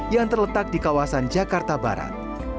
yang terletak di kawasan jakarta barat